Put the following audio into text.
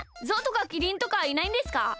ゾウとかキリンとかいないんですか？